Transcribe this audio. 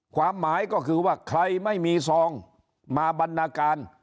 ความหมายก็คือว่าใครไม่มีซองมาบรรณาการ